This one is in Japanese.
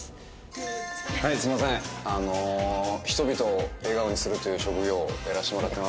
人々を笑顔にするという職業をやらせてもらってます。